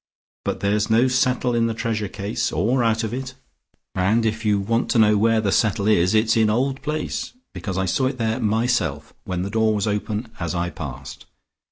But there's no settle in the treasure case or out of it, and if you want to know where that settle is, it's in Old Place, because I saw it there myself, when the door was open, as I passed.